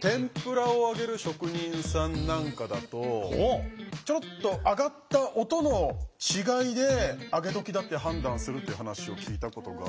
天ぷらを揚げる職人さんなんかだとちょろっと揚がった音の違いであげどきだって判断するっていう話を聞いたことがあって。